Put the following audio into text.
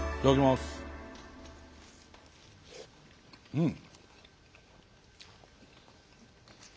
うん！